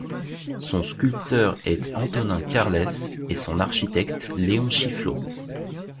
Son sculpteur est Antonin Carlès et son architecte Léon Chifflot.